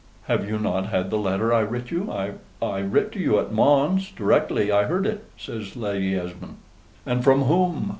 "Have you not had the letter I writ you? I writ to you at Mons directly I heard it," says Lady Esmond. "And from whom?"